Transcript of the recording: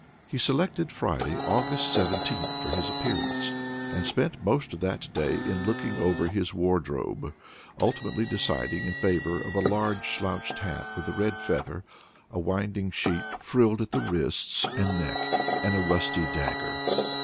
He selected Friday, August 17th, for his appearance, and spent most of that day in looking over his wardrobe, ultimately deciding in favor of a large slouched hat with a red feather, a winding sheet frilled at the wrists and neck, and a rusty dagger.